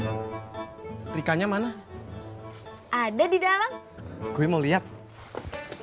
eh maspur aani ikannya mana ada di dalam gue mau lihat ih apaan sih